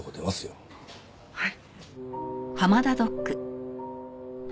はい。